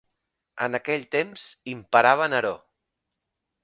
En aquell temps imperava Neró.